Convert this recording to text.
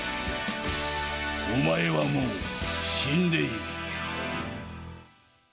お前はもう死んでいる。